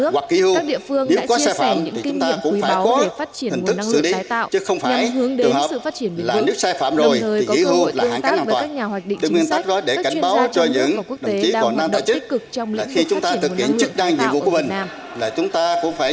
một đồ vụ sẽ phối hợp cùng với các cơ quan chuyên môn để tham mưu cho bang canh sự đảng chính phủ